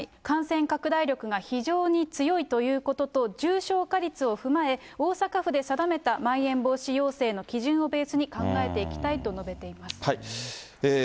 感染拡大力が非常に強いということと、重症化率を踏まえ、大阪府で定めたまん延防止要請の基準をベースに考えていきたいと述べています。